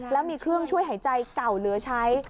แล้วมีเครื่องช่วยหายใจเก่าเหลือใช้